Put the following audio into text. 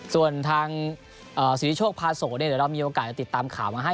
ส่วนทางสิริโชคพาโสเดี๋ยวเรามีโอกาสจะติดตามข่าวมาให้